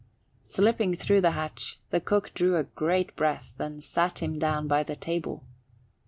Slipping through the hatch, the cook drew a great breath and sat him down by the table.